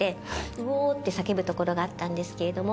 「ウォー」って叫ぶところがあったんですけれども。